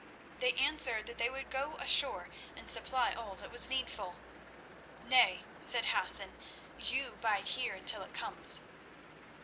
They answered that they would go ashore and supply all that was needful. "Nay," said Hassan, "you bide here until it comes."